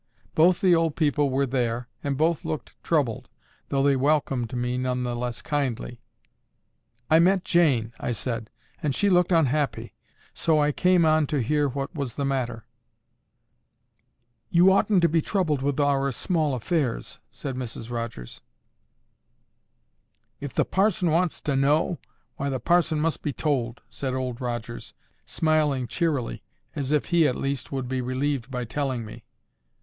Both the old people were there, and both looked troubled, though they welcomed me none the less kindly. "I met Jane," I said, "and she looked unhappy; so I came on to hear what was the matter." "You oughtn't to be troubled with our small affairs," said Mrs. Rogers. "If the parson wants to know, why, the parson must be told," said Old Rogers, smiling cheerily, as if he, at least, would be relieved by telling me.